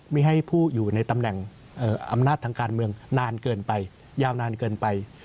ไม่ให้ผู้อยู่ในตำแหน่งอำนาจทางการเมืองนานเกินไปยาวนานเกินไป